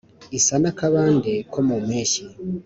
isa n'akabande ko mu mpeshyi